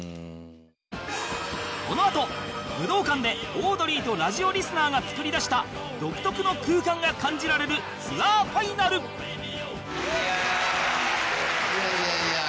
このあと武道館でオードリーとラジオリスナーが作り出した独特の空間が感じられるツアーファイナルいやあ。